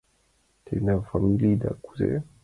Тендан фамилийда кузе?»